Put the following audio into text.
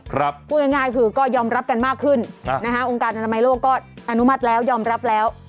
พูดง่ายคือก็ยอมรับกันมากขึ้นนะฮะองค์การอนามัยโลกก็อนุมัติแล้วยอมรับแล้ว